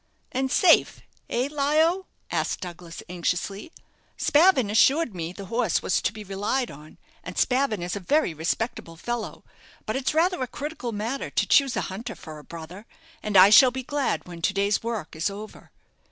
"And safe, eh, Lio?" asked Douglas, anxiously. "Spavin assured me the horse was to be relied on, and Spavin is a very respectable fellow; but it's rather a critical matter to choose a hunter for a brother, and I shall be glad when to day's work is over."